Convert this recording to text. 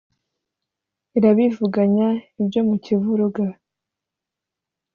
Irabivuganya ibyo mu Kivuruga